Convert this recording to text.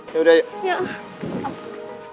ya udah yuk